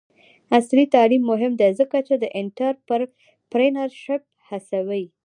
عصري تعلیم مهم دی ځکه چې د انټرپرینرشپ هڅوي.